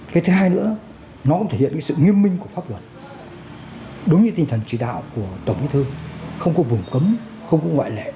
cái thứ hai nữa nó cũng thể hiện sự nghiêm minh của pháp luật đúng như tinh thần chỉ đạo của tổng thư